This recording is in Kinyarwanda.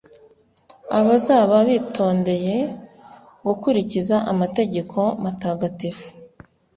abazaba bitondeye gukurikiza amategeko matagatifu